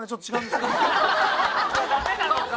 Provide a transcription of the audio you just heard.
ダメなのか！